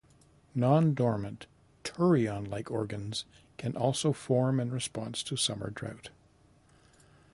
Non-dormant turion-like organs can also form in response to summer drought.